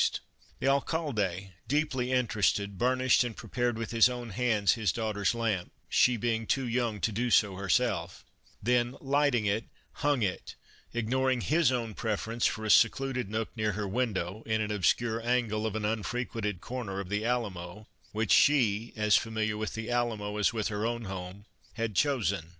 The Alcalde's Daughter The Alcalde, deeply interested, burnished and prepared with his own hands his daughter's lamp, she being too young to do so herself ; then lighting it, hung it — ignoring his own preference for a secluded nook near her window — in an obscure angle of an unfrequented corner of the Alamo which she, as familiar with the Alamo as with her own home, had chosen.